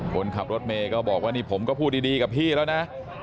คนขับรถเมย์ก็บอกว่านี่ผมก็พูดดีกับพี่แล้วนะ